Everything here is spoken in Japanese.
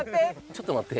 ちょっと待って！